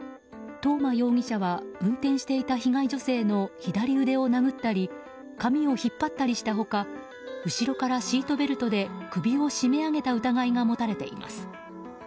東間容疑者は運転していた被害女性の左腕を殴ったり髪を引っ張ったりした他後ろからシートベルトで首を締め上げた疑いが持たれています。